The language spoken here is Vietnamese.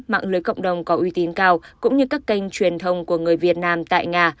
mạng lưới cộng đồng có uy tín cao cũng như các kênh truyền thông của người việt nam tại nga